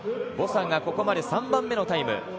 ボサがここまで３番目のタイム。